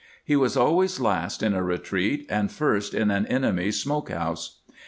He was always last in a retreat and first in an enemy's smoke house.